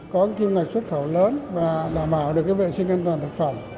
có kim ngạch xuất khẩu lớn và đảm bảo được vệ sinh an toàn thực phẩm